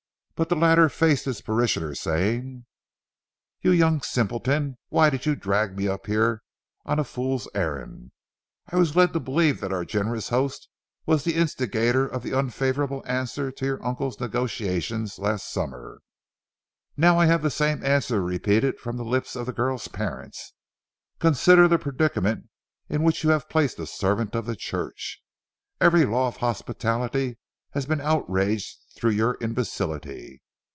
But the latter faced his parishioner, saying:— "You young simpleton, what did you drag me up here for on a fool's errand? I was led to believe that our generous host was the instigator of the unfavorable answer to your uncle's negotiations last summer. Now I have the same answer repeated from the lips of the girl's parents. Consider the predicament in which you have placed a servant of the Church. Every law of hospitality has been outraged through your imbecility.